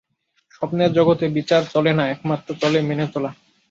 স্বপ্নের জগতে বিচার চলে না, একমাত্র চলে মেনে-চলা।